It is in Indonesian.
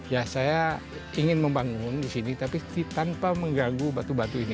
ya saya ingin membangun di sini tapi tanpa mengganggu batu batu ini